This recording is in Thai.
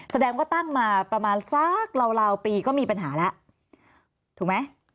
แสดงว่าตั้งมาประมาณสักราวปีก็มีปัญหาแล้วถูกไหม